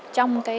trong công đoàn